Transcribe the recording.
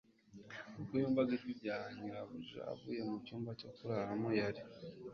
ubwo yumvaga ijwi rya nyirarume avuye mu cyumba cyo kuraramo. yari